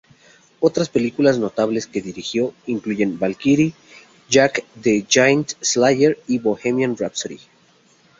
Otras películas notables que dirigió incluyen "Valkyrie", "Jack the Giant Slayer" y "Bohemian Rhapsody".